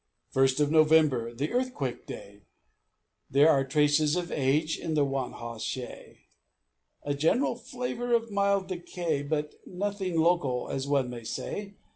First of November the Earthquake day There are traces of age in the one hoss shay, A general flavor of mild decay, But nothing local, as one may say.